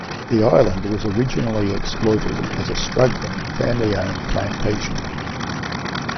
The island was originally exploited as a struggling family-owned plantation.